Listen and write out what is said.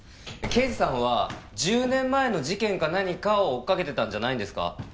刑事さんは１０年前の事件か何かを追っかけてたんじゃないんですか？